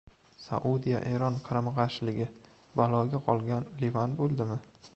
Saudiya – Eron qarama-qarshiligi: baloga qolgan Livan bo‘ldimi?..